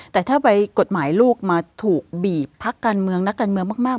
แต่ถ้าไปกฎหมายลูกมาถูกบีบพักการเมืองนักการเมืองมาก